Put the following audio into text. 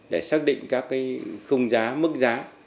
để xác định các cái khung giá mức giá